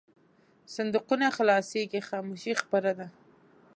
صندوقونه خلاصېږي خاموشي خپره ده.